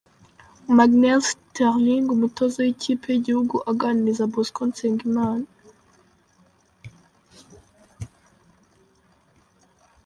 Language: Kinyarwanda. Magnell Sterling umutoza w'ikipe y'igihugu aganiriza Bosco Nsengimana.